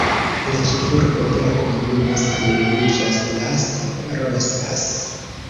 La ĉefurbo de la komunumo same nomiĝas Las Rosas.